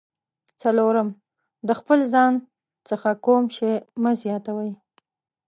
څلورم: د خپل ځان څخه کوم شی مه زیاتوئ.